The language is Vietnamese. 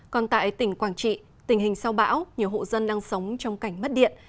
còn tại tỉnh quảng trị tình hình sau bão nhiều hộ dân đang sống trong cảnh mất điện